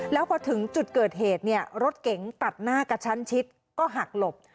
แล้วพอถึงจุดเกิดเหตุเนี่ยรถเก๋งตัดหน้ากระชั้นชิดก็หักหลบ